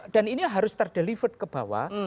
dan ini harus terdelivered ke bawah